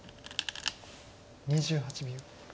２８秒。